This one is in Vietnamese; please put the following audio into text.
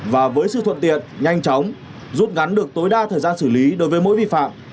và với sự thuận tiện nhanh chóng rút ngắn được tối đa thời gian xử lý đối với mỗi vi phạm